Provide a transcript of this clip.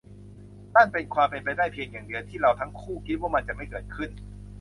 นั่นเป็นความเป็นไปได้เพียงอย่างเดียว แต่เราทั้งคู่คิดว่ามันจะไม่เกิดขึ้น